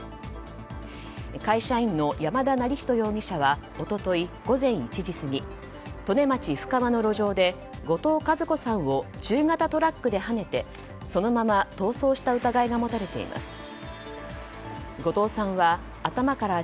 会社員の山田成人容疑者は一昨日午前１時過ぎ利根町布川の路上で後藤和子さんを中型トラックではねてそのまま逃走した疑いが持たれています。